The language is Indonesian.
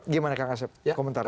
gimana kang asep komentarnya